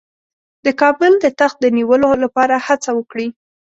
د کابل د تخت د نیولو لپاره هڅه وکړي.